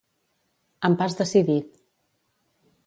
Amb pas decidit.